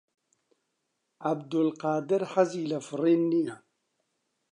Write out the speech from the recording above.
عەبدولقادر حەزی لە فڕین نییە.